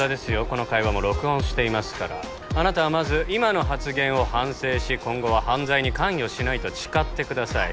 この会話も録音していますからあなたはまず今の発言を反省し今後は犯罪に関与しないと誓ってください